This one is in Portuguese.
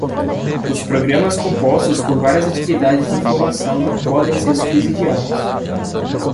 Os programas compostos por várias atividades de formação não podem ser subsidiados.